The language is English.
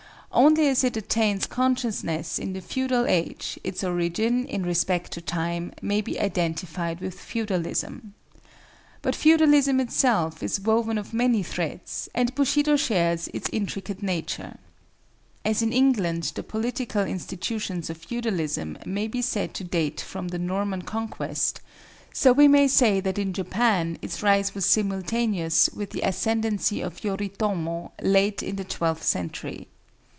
Only as it attains consciousness in the feudal age, its origin, in respect to time, may be identified with feudalism. But feudalism itself is woven of many threads, and Bushido shares its intricate nature. As in England the political institutions of feudalism may be said to date from the Norman Conquest, so we may say that in Japan its rise was simultaneous with the ascendency of Yoritomo, late in the twelfth century.